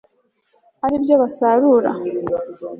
ari byo basarura